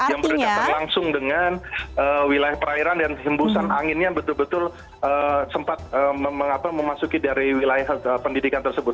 yang berdekatan langsung dengan wilayah perairan dan hembusan anginnya betul betul sempat memasuki dari wilayah pendidikan tersebut